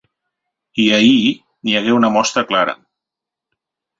I ahir n’hi hagué una mostra clara.